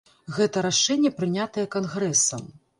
Гэта рашэнне прынятае кангрэсам.